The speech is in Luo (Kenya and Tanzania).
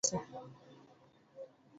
Wadwa dhii e kanisa.